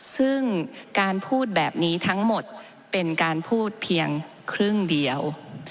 ซึ่งการพูดแบบนี้ทั้งหมดเป็นการพูดเพียงครึ่งเดียว